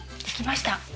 できました。